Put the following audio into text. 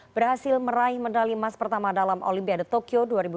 berhasil meraih medali emas pertama dalam olimpiade tokyo dua ribu dua puluh